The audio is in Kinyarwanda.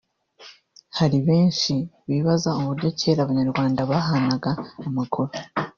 hari benshi bibaza uburyo kera abanyarwanda bahanahanaga amakuru